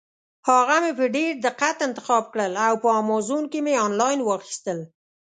هغه مې په ډېر دقت انتخاب کړل او په امازان کې مې انلاین واخیستل.